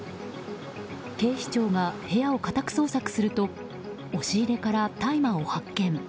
警視庁が部屋を家宅捜索すると押し入れから、大麻を発見。